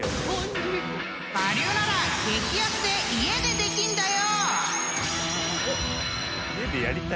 ［我流なら激安で家でできんだよ！］